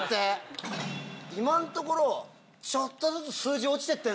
今のところちょっとずつ数字落ちてってる。